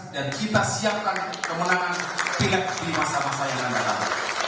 dan kita siapkan kemenangan pilik di masa masa yang akan datang